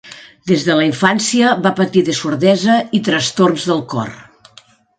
Des de la infància, va patir de sordesa i trastorns del cor.